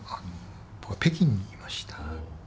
僕は北京にいました。